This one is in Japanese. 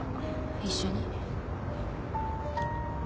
一緒に。